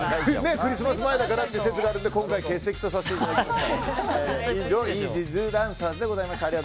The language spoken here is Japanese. クリスマス前だからという説で今回欠席とさせていただきました。